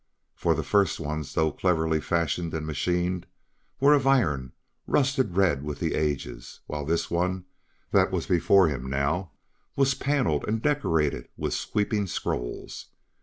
For the first ones, though cleverly fashioned and machined, were of iron, rusted red with the ages; while this one that was before him now was paneled and decorated with sweeping scrolls.